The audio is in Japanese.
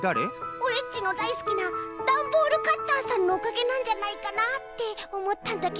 オレっちのだいすきなダンボールカッターさんのおかげなんじゃないかなっておもったんだけど。